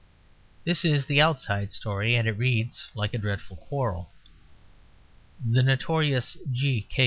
This is the outside story; and it reads like a dreadful quarrel. The notorious G.